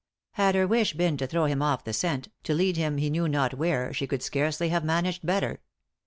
Had her wish been to throw him off the scent, to lead him he knew not where, she could scarcely have managed better.